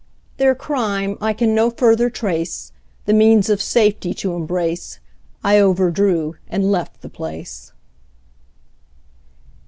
Their crime I can no further trace The means of safety to embrace, I overdrew and left the place.